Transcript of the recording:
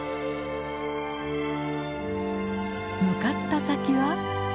向かった先は？